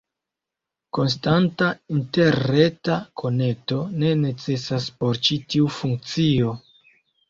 Konstanta interreta konekto ne necesas por ĉi tiu funkcio.